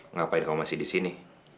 ngapain kamu masih di sini